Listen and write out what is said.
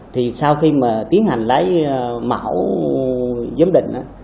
thì sau khi mà tiến hành lấy mẫu giấm định đó